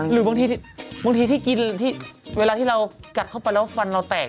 หรือบางทีที่กินที่เวลาที่เรากัดเข้าไปแล้วฟันเราแตก